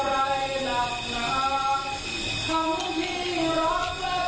อยากได้ใครจะไหลไป